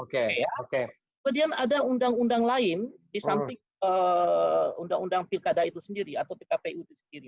kemudian ada undang undang lain di samping undang undang pilkada itu sendiri atau pkpu itu sendiri